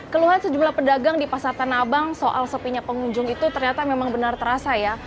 keluhan sejumlah pedagang di pasar tanah abang soal sepinya pengunjung itu ternyata memang benar terasa ya